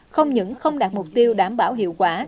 không những không đạt mục tiêu đảm bảo hiệu quả